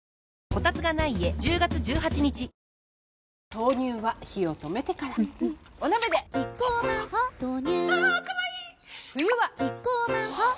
豆乳は火を止めてからうんうんお鍋でキッコーマン「ホッ」豆乳あかわいい冬はキッコーマン「ホッ」